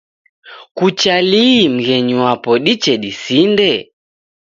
Kucha lii mghenyi wapo diche disinde?